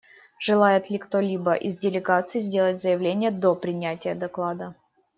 Желает ли кто-либо из делегаций сделать заявление до принятия доклада?